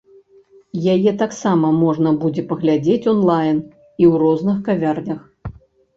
Яе таксама можна будзе паглядзець онлайн і ў розных кавярнях.